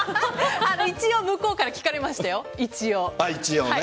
一応向こうから聞かれましたよ、一応。